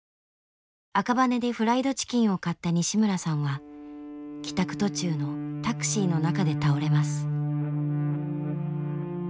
赤羽でフライドチキンを買った西村さんは帰宅途中のタクシーの中で倒れます。